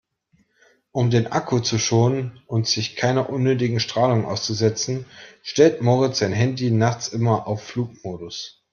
Um den Akku zu schonen und sich keiner unnötigen Strahlung auszusetzen, stellt Moritz sein Handy nachts immer auf Flugmodus.